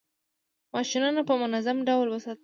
ماشینونه په منظم ډول وساتئ.